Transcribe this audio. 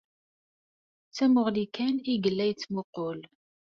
D tamuɣli kan ay yella yettmuqqul.